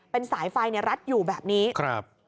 เป็นสายไฟรัดอยู่แบบนี้ครับครับ